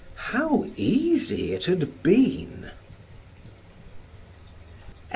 How easy it had been!